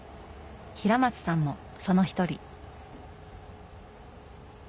平松さんもその一人。